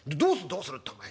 「どうするってお前。